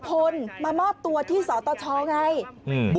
ก็ตอบได้คำเดียวนะครับ